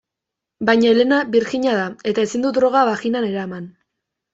Baina Elena birjina da eta ezin du droga baginan eraman.